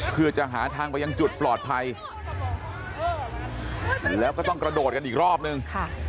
เพื่อจะหาทางไปยังจุดปลอดภัยแล้วก็ต้องกระโดดกันอีกรอบนึง